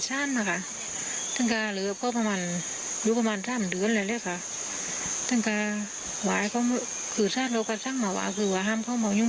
แต่เขาก็ยังมาแล้วแล้วคือเดินขึ้นไปมองกัน